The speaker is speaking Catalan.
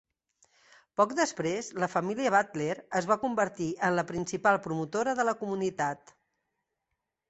Poc després, la família Butler es va convertir en la principal promotora de la comunitat.